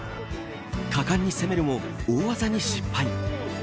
果敢に攻めるも大技に失敗。